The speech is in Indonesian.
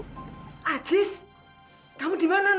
kenapa kita tidak telepon polisi saja sekarang